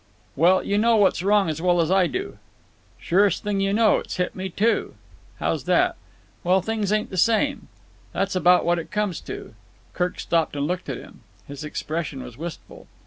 "Well, you know what's wrong as well as I do." "Surest thing you know. It's hit me, too." "How's that?" "Well, things ain't the same. That's about what it comes to." Kirk stopped and looked at him. His expression was wistful.